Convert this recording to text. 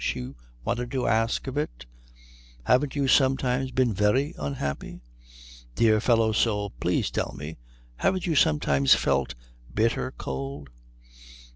she wanted to ask of it "haven't you sometimes been very unhappy? Dear fellow soul please tell me haven't you sometimes felt bitter cold?"